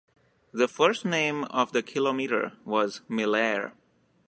The first name of the kilometre was "Millaire".